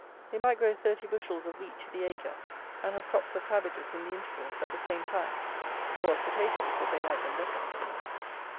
They might grow thirty bushels of wheat to the acre, and have crops of cabbages, in the intervals, at the same time; or, of potatoes, if they liked them better.